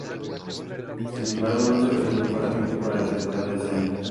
Sin embargo, no se realizó ningún movimiento para la temporada de ese año.